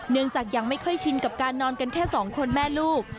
ยังยังไม่ค่อยชินกับการนอนกันแค่สองคนแม่ลูก